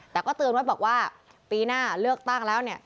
แต่ก็เตือนว่าบอกว่าปีหน้าเลือกตั้งแล้ว